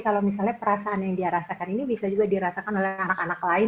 kalau misalnya perasaan yang dia rasakan ini bisa juga dirasakan oleh anak anak lain